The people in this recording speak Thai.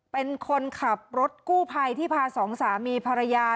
เป็นคนขับรถกู้ภัยที่พาสองสามีภรรยา